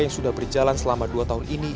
yang sudah berjalan selama dua tahun ini